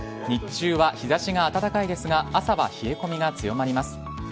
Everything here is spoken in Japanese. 日中は日差しが暖かいですが朝は冷え込みが強まります。